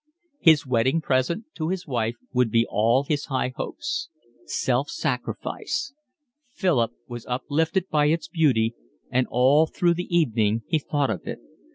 His wedding present to his wife would be all his high hopes. Self sacrifice! Philip was uplifted by its beauty, and all through the evening he thought of it.